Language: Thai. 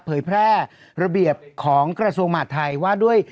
เผยแพร่ระเบียบของกระทรวงมหาดไทยว่าด้วย